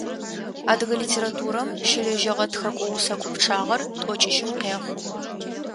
Адыгэ литературэм щылэжьэгъэ тхэкӏо-усэкӏо пчъагъэр тӏокӏищым къехъу.